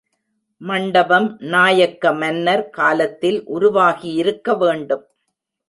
மண்டபம் நாயக்க மன்னர் காலத்தில் உருவாகியிருக்க வேண்டும்.